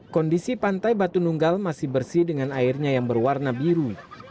kondisi pantai batu nunggal masih bersih dengan airnya yang berwarna biru